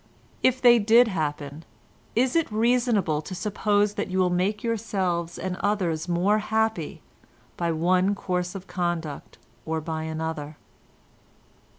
If they did happen, is it reasonable to suppose that you will make yourselves and others more happy by one course of conduct or by another?